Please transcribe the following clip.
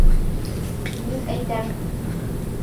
Мин әйтәм.